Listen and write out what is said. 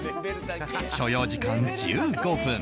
所要時間１５分。